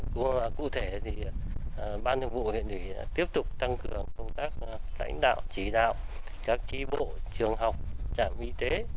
cụ thể ban hợp vụ hiện đại tiếp tục tăng cường công tác lãnh đạo chỉ đạo các chị bộ trường học trạm y tế